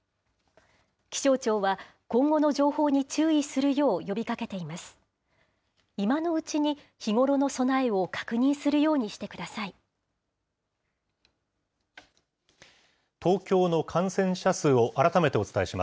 気象庁は、今後の情報に注意するよう呼びかけています。